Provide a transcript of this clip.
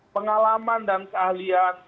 pengalaman dan keahlian